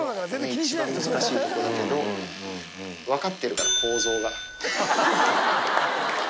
一番難しいところだけど分かってるから、構造が。